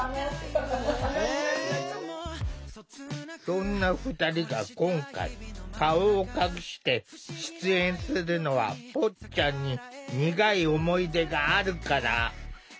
そんな２人が今回顔を隠して出演するのはぽっちゃんに苦い思い出があるから。